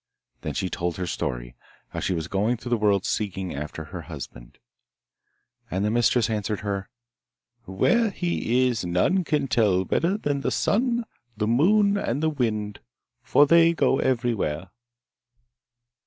Then she told her story how she was going through the world seeking after her husband. And her mistress answered her, 'Where he is, none can tell better than the Sun, the Moon, and the Wind, for they go everywhere!